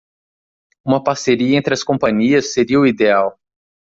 Uma parceria entre as companias seria o ideal.